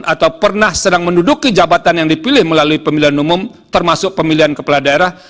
atau pernah sedang menduduki jabatan yang dipilih melalui pemilihan umum termasuk pemilihan kepala daerah